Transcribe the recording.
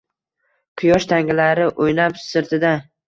Quyosh tangalari o’ynab sirtida